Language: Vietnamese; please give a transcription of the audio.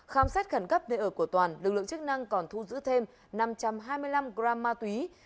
khám xét khẩn cấp nơi ở của toàn lực lượng chức năng còn thu giữ thêm năm trăm hai mươi năm gram ma túy